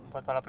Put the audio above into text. buat balap liar